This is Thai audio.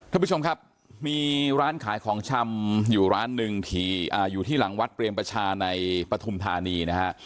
ท่านผู้ชมครับมีร้านขายของชำอยู่ร้านหนึ่งที่อยู่ที่หลังวัดเปรมประชาในปฐุมธานีนะฮะ